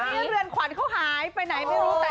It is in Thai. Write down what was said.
วันนี้เลือนขวันเขายไปไหนไม่รู้